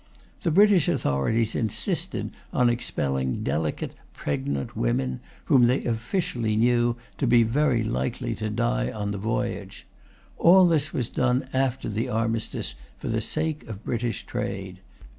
The British authorities insisted on expelling delicate pregnant women, whom they officially knew to be very likely to die on the voyage. All this was done after the Armistice, for the sake of British trade.